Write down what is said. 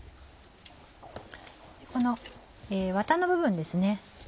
このワタの部分ですね